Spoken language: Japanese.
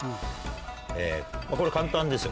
えこれ簡単ですよ。